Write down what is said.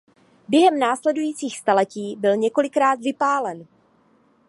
Během následujících staletí byl několikrát vypálen.